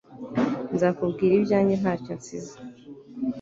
nzakubwira ibyanjye ntacyo nsize